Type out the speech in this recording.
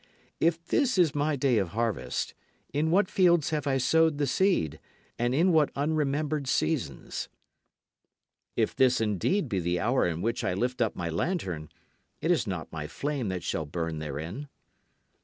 If this is my day of harvest, in what fields have I sowed the seed, and in what unremembered seasons? If this indeed be the hour in which I lift up my lantern, it is not my flame that shall burn therein.